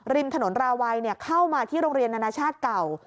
ริมถนนราวัยเข้ามาที่โรงเรียนนานาชาติเก่า